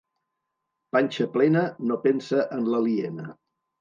Panxa plena no pensa en l'aliena.